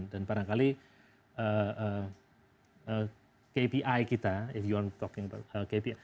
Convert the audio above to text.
dan barangkali kpi kita if you want talking about kpi